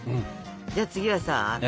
じゃあ次はさ。えっ？